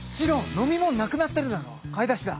飲み物なくなってるだろ買い出しだ。